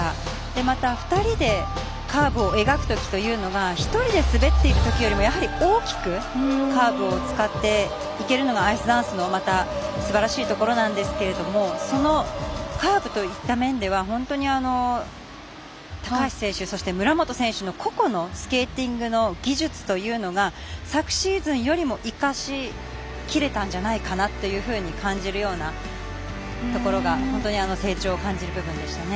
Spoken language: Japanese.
また２人でカーブを描くときというのが１人で滑っているよりも、やはり大きくカーブを使っていけるのがアイスダンスのすばらしいところなんですがそのカーブといった面では本当に高橋選手、村元選手の個々のスケーティングの技術というのが昨シーズンよりも生かしきれたんじゃないかなというふうに感じるようなところが成長を感じる部分でした。